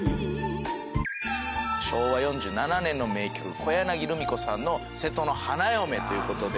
昭和４７年の名曲小柳ルミ子さんの『瀬戸の花嫁』という事で。